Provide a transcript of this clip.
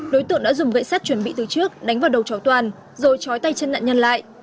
đối tượng đã dùng gậy sát chuẩn bị từ trước đánh vào đầu chó toàn rồi chói tay chân nạn nhân lại